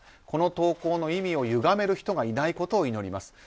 この投稿の意味をゆがめる人がいないことを祈ります。